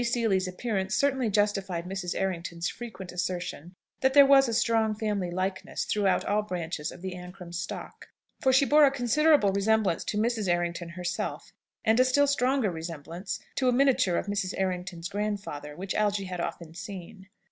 Lady Seely's appearance certainly justified Mrs. Errington's frequent assertion that there was a strong family likeness throughout all branches of the Ancram stock, for she bore a considerable resemblance to Mrs. Errington herself, and a still stronger resemblance to a miniature of Mrs. Errington's grandfather, which Algy had often seen.